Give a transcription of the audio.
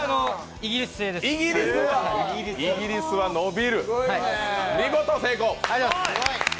イギリスは伸びる、見事、成功。